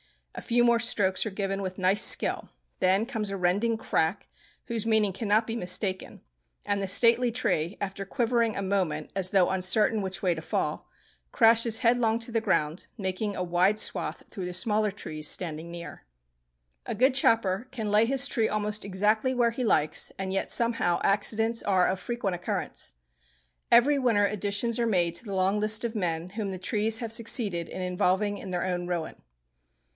A few more strokes are given with nice skill. Then comes a rending crack, whose meaning cannot be mistaken; and the stately tree, after quivering a moment as though uncertain which way to fall, crashes headlong to the ground, making a wide swath through the smaller trees standing near. A good chopper can lay his tree almost exactly where he likes, and yet somehow accidents are of frequent occurrence. Every winter additions are made to the long list of men whom the trees have succeeded in involving in their own ruin.